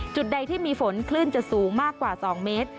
จุดใดที่มีฝนคลื่นจะสูงมากกว่า๒เมตร